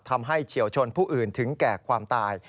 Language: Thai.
เฉียวชนผู้อื่นถึงแก่ความตาย